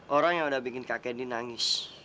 orang yang udah bikin kak candy nangis